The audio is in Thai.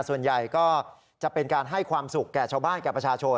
ส่วนใหญ่ก็จะเป็นการให้ความสุขแก่ชาวบ้านแก่ประชาชน